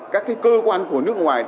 các cơ quan của nước ngoài